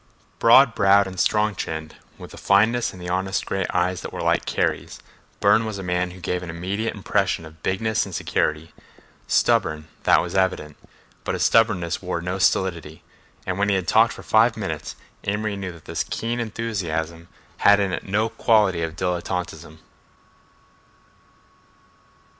Broad browed and strong chinned, with a fineness in the honest gray eyes that were like Kerry's, Burne was a man who gave an immediate impression of bigness and security—stubborn, that was evident, but his stubbornness wore no stolidity, and when he had talked for five minutes Amory knew that this keen enthusiasm had in it no quality of dilettantism.